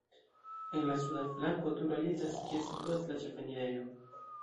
En la suda flanko turo aliĝas, kie situas la ĉefenirejo.